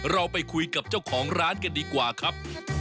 เราไปคุยกับเจ้าของร้านกันดีกว่าครับ